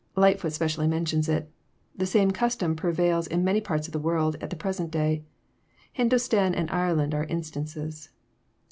Llghtfoot specially mentions it. The same custom prevails in many parts of the world at the present day : Hindostan and Ireland are instances.